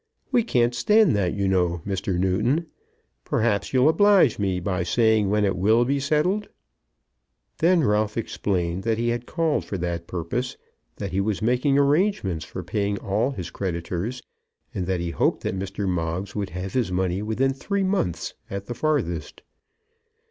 We can't stand that you know, Mr. Newton. Perhaps you'll oblige me by saying when it will be settled." Then Ralph explained that he had called for that purpose, that he was making arrangements for paying all his creditors, and that he hoped that Mr. Moggs would have his money within three months at the farthest.